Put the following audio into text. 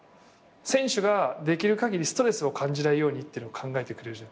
選手ができるかぎりストレスを感じないようにって考えてくれるじゃん。